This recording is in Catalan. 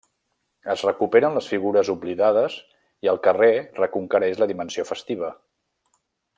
Es recuperen les figures oblidades i el carrer reconquereix la dimensió festiva.